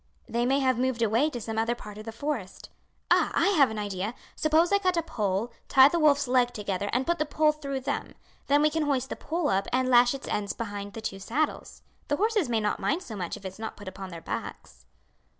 They may have moved away to some other part of the forest. Ah! I have an idea! Suppose I cut a pole, tie the wolf's legs together and put the pole through them; then we can hoist the pole up and lash its ends behind the two saddles. The horses may not mind so much if it's not put upon their backs."